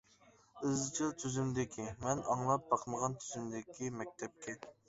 «. ئىزچىل تۈزۈمدىكى. » مەن ئاڭلاپ باقمىغان تۈزۈمدىكى مەكتەپكەن.